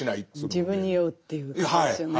自分に酔うということですよね。